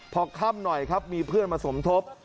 พอค่ำหน่อยครับมีเพื่อนมาสมทบ